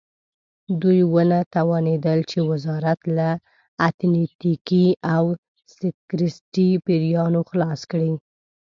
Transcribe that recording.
دوی ونه توانېدل چې وزارت له اتنیکي او سکتریستي پیریانو خلاص کړي.